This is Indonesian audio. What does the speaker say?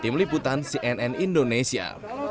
tim liputan cnn indonesia